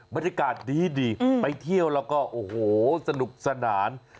บรรยากาศดีไปเที่ยวแล้วก็โอ้โหสนุกสนาน